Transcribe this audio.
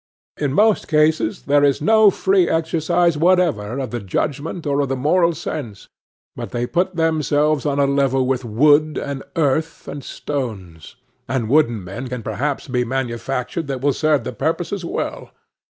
In most cases there is no free exercise whatever of the judgment or of the moral sense; but they put themselves on a level with wood and earth and stones; and wooden men can perhaps be manufactured that will serve the purpose as well.